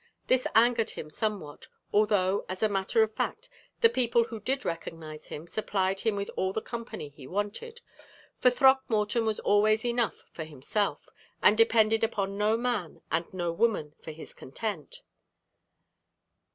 This angered him somewhat, although, as a matter of fact, the people who did recognize him supplied him with all the company he wanted; for Throckmorton was always enough for himself, and depended upon no man and no woman for his content.